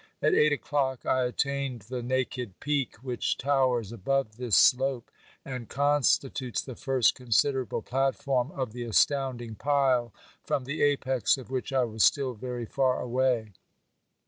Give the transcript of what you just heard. At eight o'clock I attained the naked peak which towers above this slope and constitutes the first considerable platform of the astounding pile, from the apex of which I was still very far away.